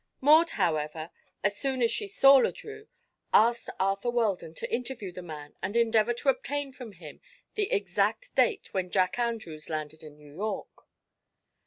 Maud, however, as soon as she saw Le Drieux, asked Arthur Weldon to interview the man and endeavor to obtain from him the exact date when Jack Andrews landed in New York.